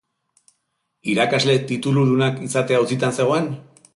Irakasle tituludunak izatea auzitan zegoen?